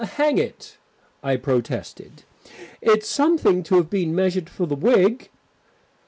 "Hang it," I protested, "it's something to have been measured for the wig."